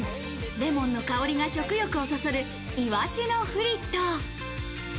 レモンの香りが食欲をそそる、イワシのフリット。